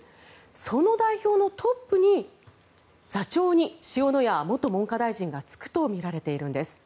その代表のトップに座長に塩谷元文科大臣が就くとみられているんです。